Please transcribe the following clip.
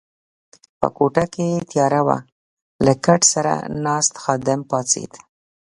په کوټه کې تیاره وه، له کټ سره ناست خادم پاڅېد.